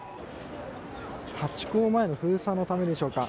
ハチ公前の封鎖のためでしょうか。